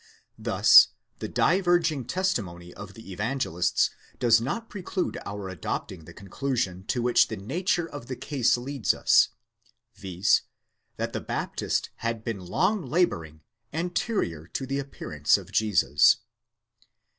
Thus the diverging testimony of the evangelists does not preclude our adopting the conclusion to which the nature of the case leads us; viz., that the Baptist had been long labouring, anterior to the appearance of Jesus.